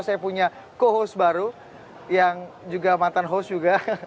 saya punya co host baru yang juga mantan host juga